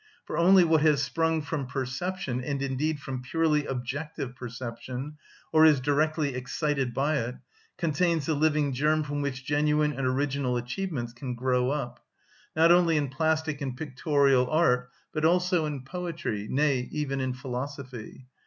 For only what has sprung from perception, and indeed from purely objective perception, or is directly excited by it, contains the living germ from which genuine and original achievements can grow up: not only in plastic and pictorial art, but also in poetry, nay, even in philosophy.